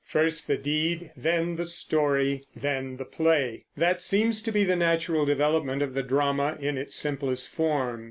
First the deed, then the story, then the play; that seems to be the natural development of the drama in its simplest form.